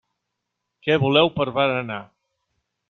Què voleu per berenar?